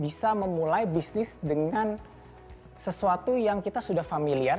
bisa memulai bisnis dengan sesuatu yang kita sudah familiar